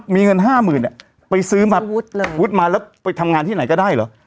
มีเงินห้าหมื่นไปซื้อมาวุฒิมาแล้วไปทำงานที่ไหนก็ได้เหรอ